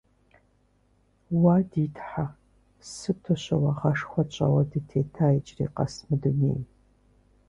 Уа, ди Тхьэ, сыту щыуагъэшхуэ тщӀэуэ дытета иджыри къэс мы дунейм!